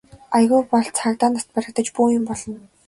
Аягүй бол цагдаа нарт баригдаж бөөн юм болно.